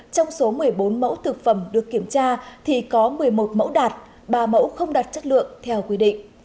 trong số một mươi bốn mẫu thực phẩm được kiểm tra thì có một mươi một mẫu đạt ba mẫu không đạt chất lượng theo quy định